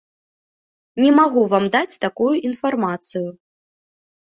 Не магу вам даць такую інфармацыю.